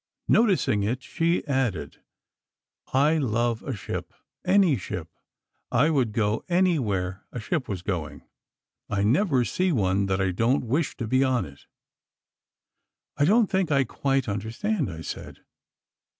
Noticing it, she added: "I love a ship; any ship; I would go anywhere a ship was going. I never see one that I don't wish to be on it." "I don't think I quite understand," I said.